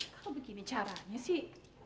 kalau begini caranya sih